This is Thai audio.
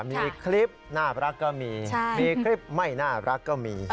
มีคลิปน่ารักก็มีมีคลิปไม่น่ารักก็มี